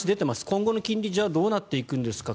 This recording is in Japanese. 今後の金利はどうなっていくんですか。